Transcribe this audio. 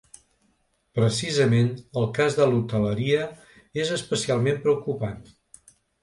Precisament, el cas de l’hoteleria és especialment preocupant.